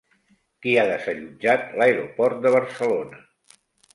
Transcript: Qui ha desallotjat l'aeroport de Barcelona?